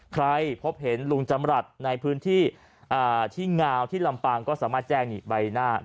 ใครพบเห็นลุงจำรัฐในพื้นที่ที่งาวที่ลำปางก็สามารถแจ้งนี่ใบหน้า